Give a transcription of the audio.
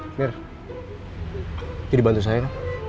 hai mir jadi bantu saya